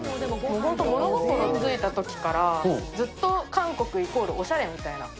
物心ついたときから、ずっと韓国イコールおしゃれみたいな。